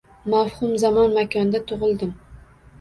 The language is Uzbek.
Mavhum zamon-makonda tugʼildim.